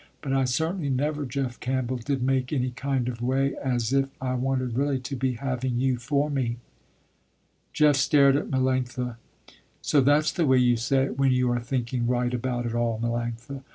But I certainly never, Jeff Campbell, did make any kind of way as if I wanted really to be having you for me." Jeff stared at Melanctha. "So that's the way you say it when you are thinking right about it all, Melanctha.